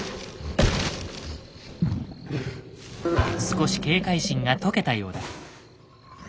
少し警戒心が解けたようだ。